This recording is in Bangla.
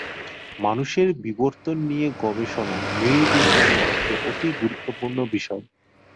মানুষের বিবর্তন নিয়ে গবেষণা নৃবিজ্ঞানের একটি অতি গুরুত্বপূর্ণ বিষয়।